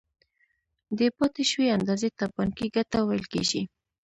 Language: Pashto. دې پاتې شوې اندازې ته بانکي ګټه ویل کېږي